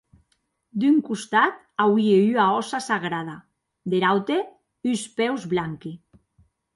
D’un costat auie ua hòssa sagrada; der aute uns peus blanqui.